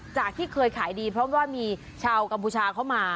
ที่เคยขายดีเพราะว่ามีชาวกัมพูชาเข้ามา